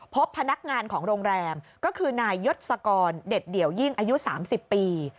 พบพนักงานของโรงแรมก็คือนายยศกรเด็ดเดี่ยวยิ่งอายุ๓๐ปี